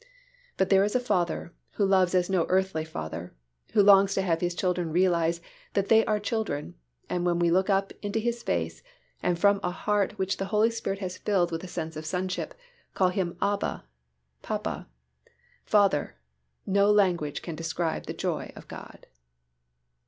But there is a Father who loves as no earthly father, who longs to have His children realize that they are children, and when we look up into His face and from a heart which the Holy Spirit has filled with a sense of sonship call Him "Abba" (papa), "Father," no language can describe the joy of God.